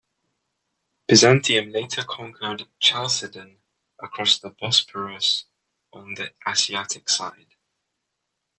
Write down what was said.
Byzantium later conquered Chalcedon, across the Bosporus on the Asiatic side.